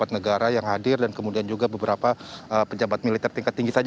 empat negara yang hadir dan kemudian juga beberapa pejabat militer tingkat tinggi saja